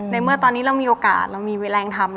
เมื่อตอนนี้เรามีโอกาสเรามีเวลาทำ